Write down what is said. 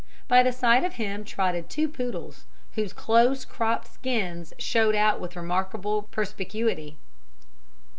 By the side of him trotted two poodles, whose close cropped skins showed out with remarkable perspicuity.